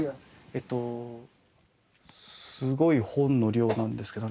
えっとすごい本の量なんですけど。